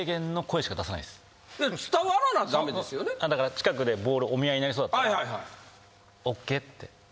近くでボールお見合いになりそうだったら。